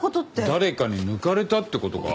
誰かに抜かれたってことか？